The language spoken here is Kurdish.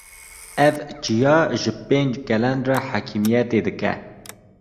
Ev çiya ji pênc gelan re hakimtê dike